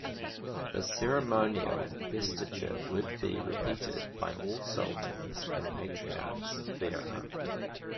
This ceremonial investiture would be repeated by all sultans and patriarchs thereafter.